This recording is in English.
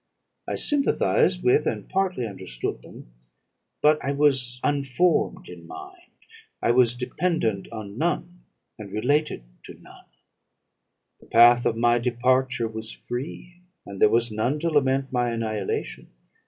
I sympathised with, and partly understood them, but I was unformed in mind; I was dependent on none, and related to none. 'The path of my departure was free;' and there was none to lament my annihilation.